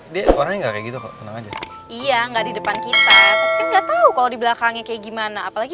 dia orangnya nggak gitu iya nggak di depan kita nggak tahu kalau di belakangnya kayak gimana apalagi